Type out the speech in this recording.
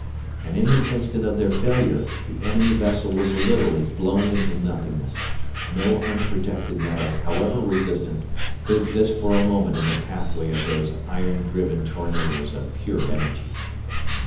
And in the instant of their failure the enemy vessel was literally blown into nothingness no unprotected metal, however resistant, could exist for a moment in the pathway of those iron driven tornadoes of pure energy.